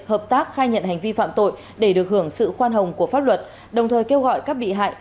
hợp tác khai nhận hành vi phạm tội để được hưởng sự khoan hồng của pháp luật đồng thời kêu gọi các bị hại